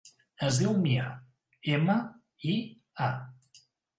Es diu Mia: ema, i, a.